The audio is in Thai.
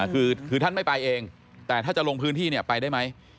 คือท่านไม่ไปเองแต่ถ้าจะลงพื้นที่ไปได้ไหม